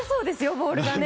ボールがね。